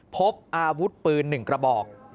พบอาวุธปืนหนึ่งกระบอก